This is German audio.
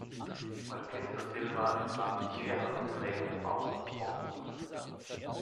Marques da Silva entwarf mehrere prägende Bauten Portos.